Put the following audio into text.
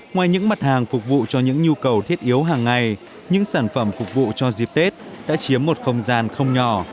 ngoài những mặt hàng phục vụ cho những nhu cầu thiết yếu hàng ngày những sản phẩm phục vụ cho dịp tết đã chiếm một không gian không nhỏ